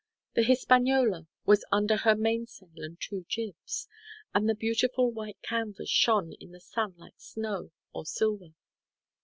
The Hispaniola was under her mainsail and two jibs, and the beautiful white canvas shone in the sun like snow or silver.